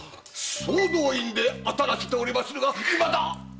総動員で当たらせておりますがいまだ！